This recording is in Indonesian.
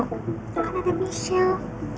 kan ada michelle